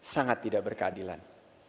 sangat tidak berkeadilan